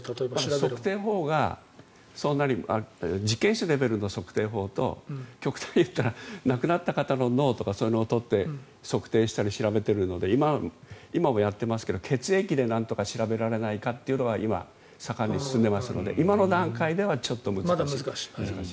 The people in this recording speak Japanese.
測定法がそうなれば実験室のレベルの測定法と極端に言ったら亡くなった方の脳とかをとって測定したり調べているので今もやっていますが血液でなんとか調べられないかというのが今、盛んに進んでいますので今の段階ではちょっと難しい。